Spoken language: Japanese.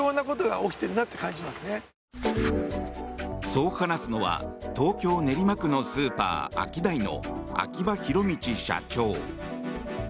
そう話すのは東京・練馬区のスーパー、アキダイの秋葉弘道社長。